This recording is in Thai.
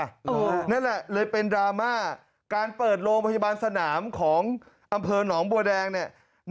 นั่นแหละเลยเป็นดราม่าการเปิดโรงพยาบาลสนามของอำเภอหนองบัวแดงเนี่ย